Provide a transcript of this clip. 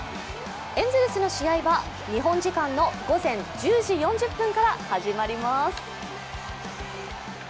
エンゼルスの試合は日本時間の午前１０時４０分から始まります。